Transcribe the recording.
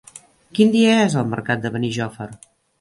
Quin dia és el mercat de Benijòfar?